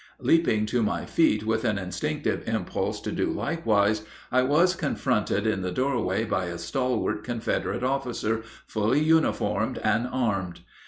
Leaping to my feet with an instinctive impulse to do likewise, I was confronted in the doorway by a stalwart Confederate officer fully uniformed and armed.